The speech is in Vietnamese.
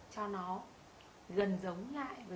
cho nó gần giống lại